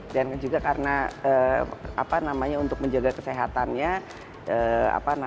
dan juga karena untuk menjaga kesehatannya